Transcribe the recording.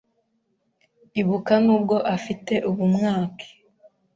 Ibuka nubwo afite ubumwake